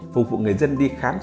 phục vụ người dân đi khám